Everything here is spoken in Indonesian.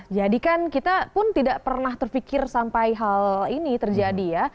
jadi kan kita pun tidak pernah terpikir sampai hal ini terjadi ya